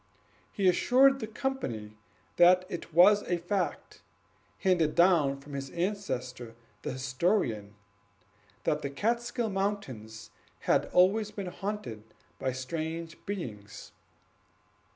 He assured the company that it was a fact, handed down from his ancestor the historian, that the Kaatskill Mountains had always been haunted by strange beings.